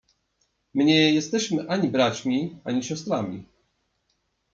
My nie jesteśmy ani braćmi, ani siostrami.